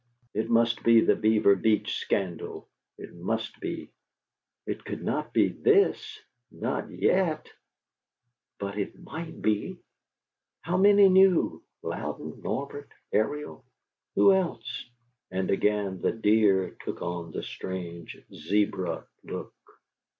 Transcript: It must be the Beaver Beach scandal. It must be. It could not be THIS not yet! But it MIGHT be. How many knew? Louden, Norbert, Ariel who else? And again the deer took on the strange zebra look.